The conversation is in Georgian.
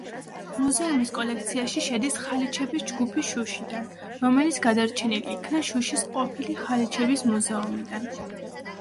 მუზეუმის კოლექციაში შედის ხალიჩების ჯგუფი შუშიდან, რომელიც გადარჩენილ იქნა შუშის ყოფილი ხალიჩების მუზეუმიდან.